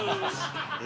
え？